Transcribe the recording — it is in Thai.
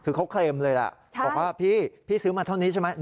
คือเขาเคลมเลยล่ะบอกว่าพี่ซื้อมาเท่านี้ใช่ไหม